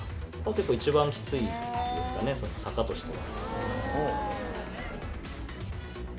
ちょっと一番きついですかね、坂としては。